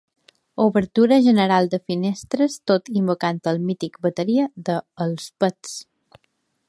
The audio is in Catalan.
Obertura general de finestres tot invocant el mític bateria de Els Pets.